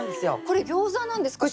これ餃子なんですか？